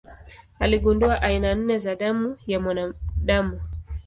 Aligundua aina nne za damu ya mwanadamu.